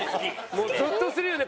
もうゾッとするよね。